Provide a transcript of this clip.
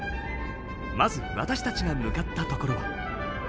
まず私たちが向かったところは。